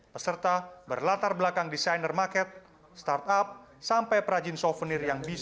peserta berlatar belakang desainer market startup sampai perajin souvenir yang bisa